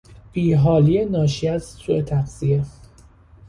بیحالی ناشی از سو تغذیه